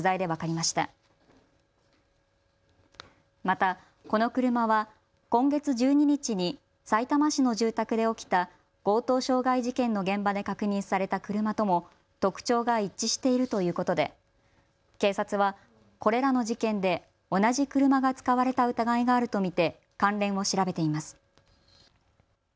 またこの車は今月１２日にさいたま市の住宅で起きた強盗傷害事件の現場で確認された車とも特徴が一致しているということで警察はこれらの事件で同じ車が使われた疑いがあると見て関連を調べています。